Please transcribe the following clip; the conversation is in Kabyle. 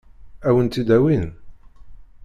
Ad wen-t-id-awin?